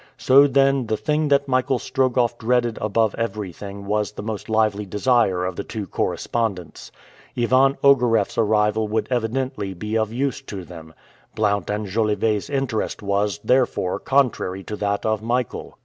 So, then, the thing that Michael Strogoff dreaded above everything was the most lively desire of the two correspondents. Ivan Ogareff's arrival would evidently be of use to them. Blount and Jolivet's interest was, therefore, contrary to that of Michael.